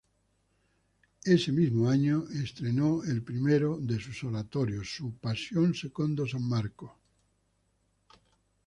Ese mismo año estrenó el primero de sus oratorios, su "Passione Secondo S. Marco".